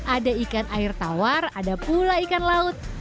ada ikan air tawar ada pula ikan laut